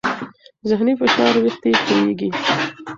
ذهني فشار وېښتې تویېږي.